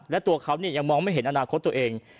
และตัวเขายังมองไม่เห็นอนาคตตัวเอง